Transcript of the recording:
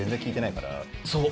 そう！